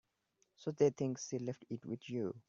So they think she left it with you.